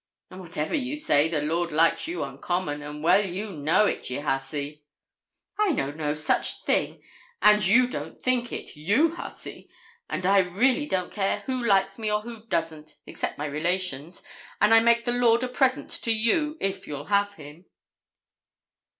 And whatever you say, the lord likes you uncommon, and well you know it, ye hussy.' 'I know no such thing; and you don't think it, you hussy, and I really don't care who likes me or who doesn't, except my relations; and I make the lord a present to you, if you'll have him.'